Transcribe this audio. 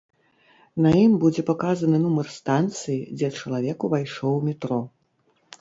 На ім будзе паказаны нумар станцыі, дзе чалавек увайшоў у метро.